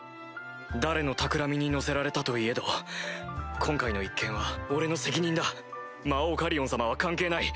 誰のたくらみに乗せられたといえど今回の一件は俺の責任だ魔王カリオン様は関係ない。